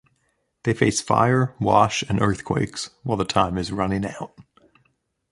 They face fire, wash and earthquakes while the time is running out.